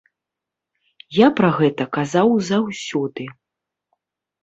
Я пра гэта казаў заўсёды.